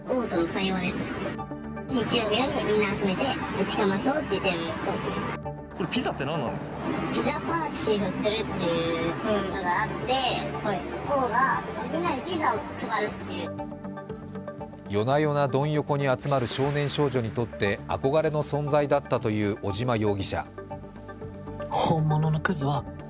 夜な夜なドン横に集まる少年少女にとって憧れの存在だったという尾島容疑者。